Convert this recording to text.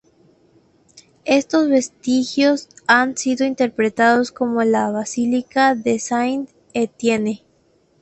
Estos vestigios han sido interpretados como la basílica de Saint-Etienne.